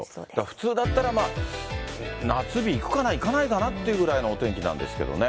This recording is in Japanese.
普通だったら、夏日いくかな、いかないかなっていうぐらいのお天気なんですけどね。